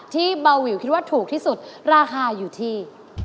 ที่เบาวิวคิดว่าถูกที่สุดราคาอยู่ที่